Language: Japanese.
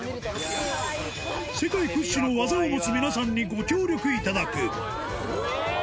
世界屈指の技を持つ皆さんにご協力いただく。